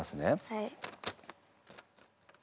はい。